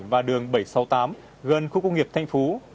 và đường bảy trăm sáu mươi tám gần khu công nghiệp thanh phú